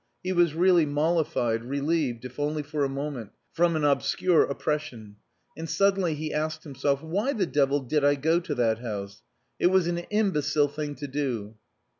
He was really mollified, relieved, if only for a moment, from an obscure oppression. And suddenly he asked himself, "Why the devil did I go to that house? It was an imbecile thing to do."